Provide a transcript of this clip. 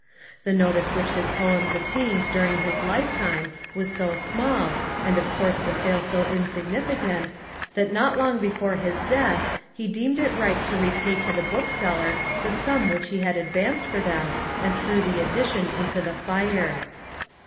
The notice which his poems attained during his lifetime was so small, and of course the sale so insignificant, that not long before his death he deemed it right to repay to the bookseller the sum which he had advanced for them and threw the edition into the fire.